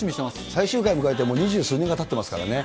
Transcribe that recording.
最終回迎えて、もう二十数年がたってますからね。